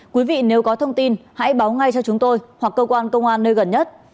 quý vị nếu có thông tin hãy báo ngay cho chúng tôi hoặc cơ quan công an nơi gần nhất